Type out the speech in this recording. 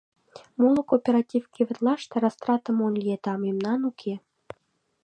Моло кооператив кевытлаште растрата монь лиеда, мемнан уке.